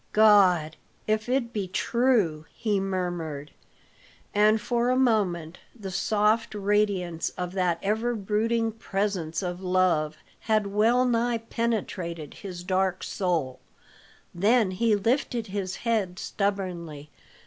"God, if it be true," he murmured; and for a moment the soft radiance of that ever brooding presence of love had well nigh penetrated his dark soul, then he lifted his head stubbornly.